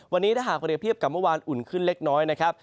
วันนี้ถ้าหากเรียบเทียบกับเมื่อวานอุ่นขึ้นเล็กน้อยนะครับ